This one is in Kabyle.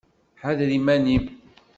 Ḥader iman-im!